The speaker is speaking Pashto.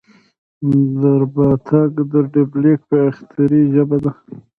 د رباتک ډبرلیک په باختري ژبه دی